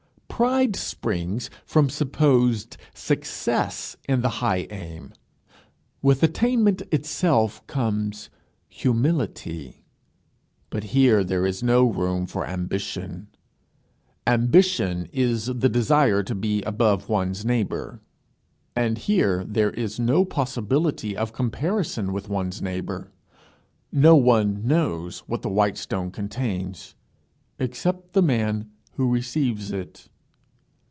Pride springs from supposed success in the high aim: with attainment itself comes humility. But here there is no room for ambition. Ambition is the desire to be above one's neighbour; and here there is no possibility of comparison with one's neighbour: no one knows what the white stone contains except the man who receives it.